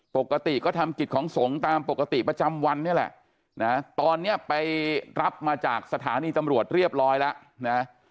ปกติก็ทำกิจของสงฆ์ตามปกติประจำวันนี่แหละนะตอนนี้ไปรับมาจากสถานีตำรวจเรียบร้อยแล้วนะ